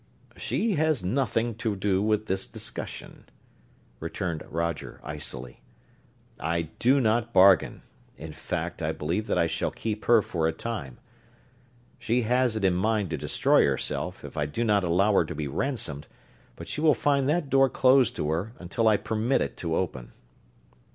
"She has nothing to do with this discussion," returned Roger, icily. "I do not bargain in fact, I believe that I shall keep her for a time. She has it in mind to destroy herself, if I do not allow her to be ransomed, but she will find that door closed to her until I permit it to open."